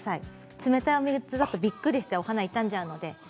冷たいお水だとびっくりしてお花が傷んじゃうので。